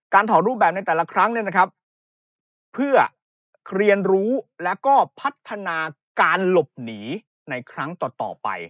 การถอดรูปแบบในแต่ละครั้งเพื่อเคลียนรู้และก็พัฒนาการหลบหนีในครั้งต่อไป